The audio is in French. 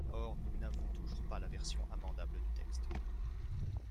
Or nous n’avons toujours pas la version amendable du texte.